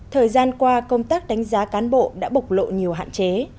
thời gian qua công tác đánh giá cán bộ đã bộc lộ nhiều hạn chế